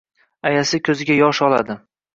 Ayasi koʻziga yosh oladi